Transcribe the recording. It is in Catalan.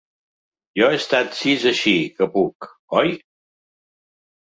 Jo he estat sis així que puc oi?